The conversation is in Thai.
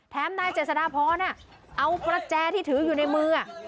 แถมนายเจสนาพอร์น่ะเอาพระแจที่ถืออยู่ในมืออ่ะ